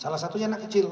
salah satunya anak kecil